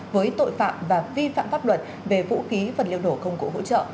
với tội phạm và vi phạm pháp luật về vũ khí vật liệu nổ công cụ hỗ trợ